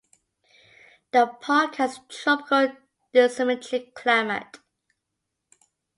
The park has a tropical dissymmetric climate.